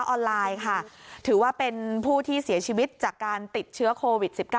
ออนไลน์ค่ะถือว่าเป็นผู้ที่เสียชีวิตจากการติดเชื้อโควิด๑๙